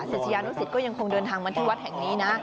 ศิษยานุสิตก็ยังคงเดินทางมาที่วัดแห่งนี้นะ